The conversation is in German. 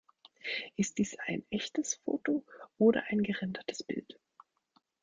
Ist dies ein echtes Foto oder ein gerendertes Bild?